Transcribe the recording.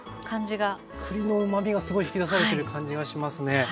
栗のうまみがすごい引き出されてる感じがしますね。